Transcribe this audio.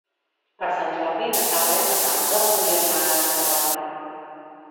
Per Sant Jordi na Carla i na Sança voldrien anar a Sant Gregori.